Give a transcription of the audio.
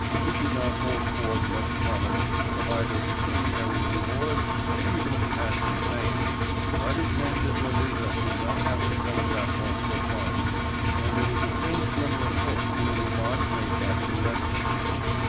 It did not hold forth much promise of either pecuniary reward or even of passing fame, but it meant that Lolita would not have to telegraph home for funds and there was a faint glimmer of hope in a remark made by the director.